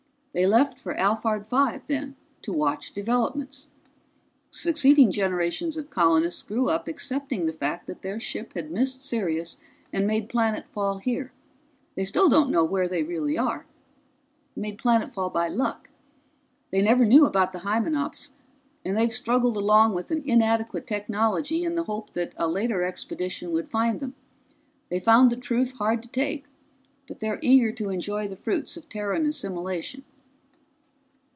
They left for Alphard Five then, to watch developments. "Succeeding generations of colonists grew up accepting the fact that their ship had missed Sirius and made planetfall here they still don't know where they really are by luck. They never knew about the Hymenops, and they've struggled along with an inadequate technology in the hope that a later expedition would find them. They found the truth hard to take, but they're eager to enjoy the fruits of Terran assimilation."